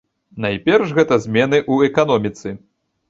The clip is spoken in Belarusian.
Найперш гэта змены ў эканоміцы.